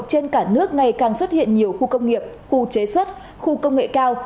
trên cả nước ngày càng xuất hiện nhiều khu công nghiệp khu chế xuất khu công nghệ cao